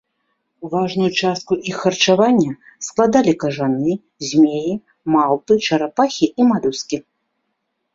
Важную частку іх харчавання складалі кажаны, змеі, малпы, чарапахі і малюскі.